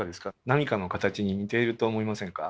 何かの形に似ていると思いませんか？